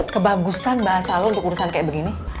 kebagusan bahasa lo untuk urusan kayak begini